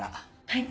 はい。